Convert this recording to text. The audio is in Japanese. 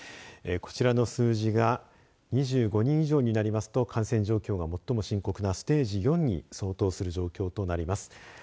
こちらの数字が２５人以上になりますと感染状況が最も深刻なステージ４に相当する状況となります。